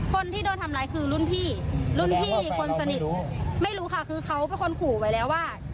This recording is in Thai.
คนที่โดนทำร้ายคือรุ่นพี่รุ่นพี่คนสนิทไม่รู้ค่ะคือเขาเป็นคนขู่ไว้แล้วว่า